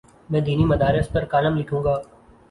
میں دینی مدارس پر کالم لکھوں گا۔